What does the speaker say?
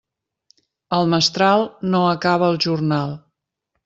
El mestral no acaba el jornal.